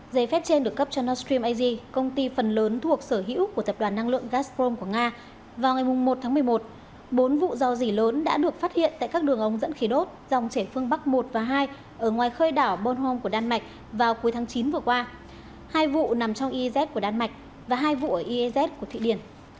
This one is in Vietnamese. giấy phép trên được cấp cho natream asia công ty phần lớn thuộc sở hữu của tập đoàn năng lượng gazprom của nga vào ngày một tháng một mươi một bốn vụ do dỉ lớn đã được phát hiện tại các đường ống dẫn khí đốt dòng chảy phương bắc một và hai ở ngoài khơi đảo bonom của đan mạch vào cuối tháng chín vừa qua hai vụ nằm trong iz của đan mạch và hai vụ ở iez của thụy điển